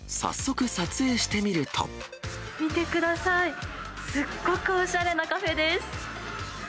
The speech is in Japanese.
見てください、すっごいおしゃれなカフェです。